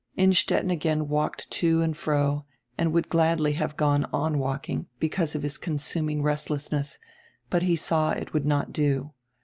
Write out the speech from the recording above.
Innstetten again walked to and fro and would gladly have gone on walking, because of his consuming resdessness, but he saw it would not do.